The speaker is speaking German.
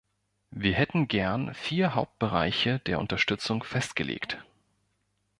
Wir hätten gern vier Hauptbereiche der Unterstützung festgelegt.